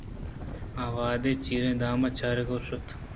آ وہدے چیریں دام ءِ چارگ ءَ شُت